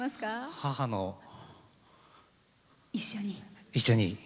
母の、一緒に。